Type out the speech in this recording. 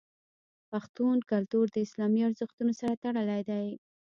پښتون کلتور د اسلامي ارزښتونو سره تړلی دی.